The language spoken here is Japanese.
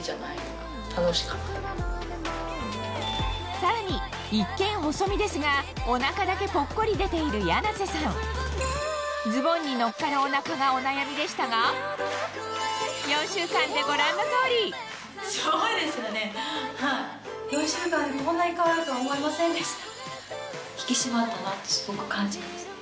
さらに一見細身ですがお腹だけポッコリ出ているヤナセさんズボンにのっかるお腹がお悩みでしたが４週間でご覧の通り４週間でこんなに変わると思いませんでした。